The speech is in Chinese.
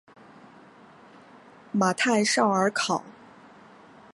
马泰绍尔考。